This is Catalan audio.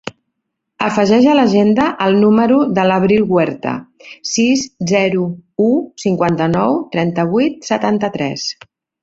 Afegeix a l'agenda el número de l'Abril Huerta: sis, zero, u, cinquanta-nou, trenta-vuit, setanta-tres.